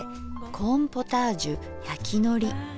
コーンポタージュやきのり。